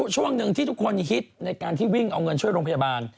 ช่วงหนึ่งที่ทุกคนฮิตในการที่วิ่งเอาเงินช่วยโรงพยาบาล